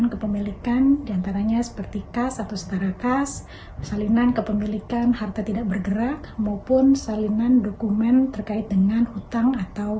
kepala dinas kesehatan provinsi lampung